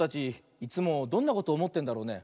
いつもどんなことおもってんだろうね。